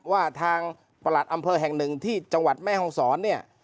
ว่าทางประหลัดอำเภอแห่งหนึ่งที่จังหวัดแม่ห้องศรเนี่ย